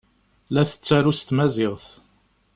La tettaru s tmaziɣt.